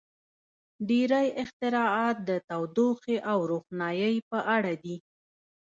• ډېری اختراعات د تودوخې او روښنایۍ په اړه دي.